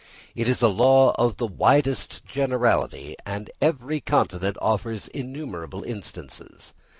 It is a law of the widest generality, and every continent offers innumerable instances.